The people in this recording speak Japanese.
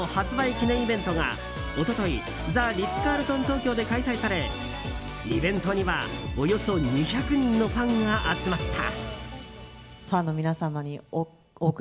記念イベントが一昨日ザ・リッツ・カールトン東京で開催されイベントには、およそ２００人のファンが集まった。